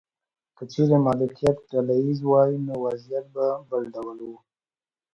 که چیرې مالکیت ډله ایز وای نو وضعیت به بل ډول و.